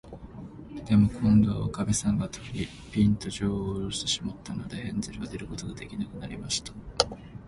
でも、こんどは、おかみさんが戸に、ぴんと、じょうをおろしてしまったので、ヘンゼルは出ることができなくなりました。